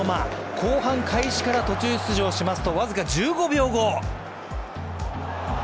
後半開始から途中出場しますと僅か１５秒後！